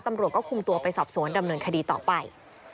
ตำรวจก็คุมตัวไปสอบสวนดำเนินคดีต่อไป